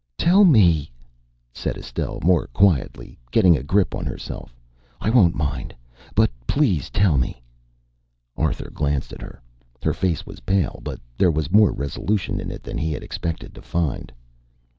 "Tell me," said Estelle more quietly, getting a grip on herself. "I won't mind. But please tell me." Arthur glanced at her. Her face was pale, but there was more resolution in it than he had expected to find.